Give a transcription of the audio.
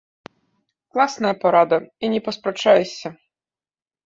Класная парада, і не паспрачаешся.